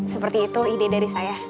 seperti itu ide dari saya